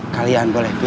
kalian boleh pilih